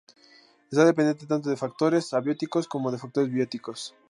Ésta depende tanto de factores abióticos como de factores bióticos.